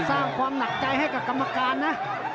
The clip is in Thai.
สร้างความหนักใจให้กับกรรมการนะ